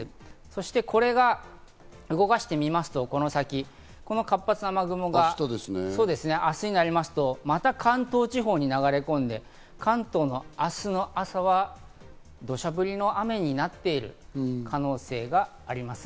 そして動かしてみますと、この先、この活発な雨雲が明日になりますと、また関東地方に流れ込んで、関東の明日の朝は土砂降りの雨になっている可能性があります。